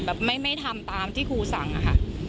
แบบไม่ทำตามที่ครูสั่งอะค่ะ